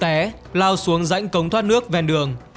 xe lao xuống rãnh cống thoát nước ven đường